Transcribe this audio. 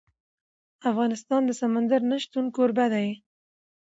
افغانستان د سمندر نه شتون کوربه دی.